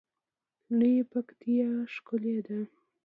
لویه پکتیا ښکلی ده